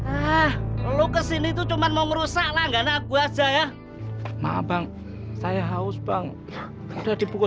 ah lu kesini itu cuman mau rusak langgana gua aja ya maaf bang saya haus bang udah dibuka